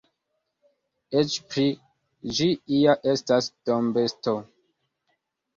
Eĉ pli: ĝi ja estas dombesto.